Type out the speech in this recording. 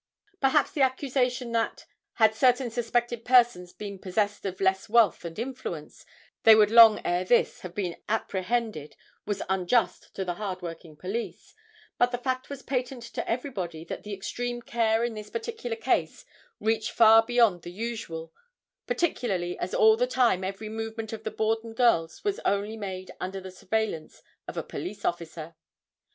Perhaps the accusation that, had certain suspected persons been possessed of less wealth and influence, they would long ere this have been apprehended was unjust to the hard working police, but the fact was patent to everybody that the extreme care in this particular case reached far beyond the usual, particularly as all the time every movement of the Borden girls was only made under the surveillance of a police officer.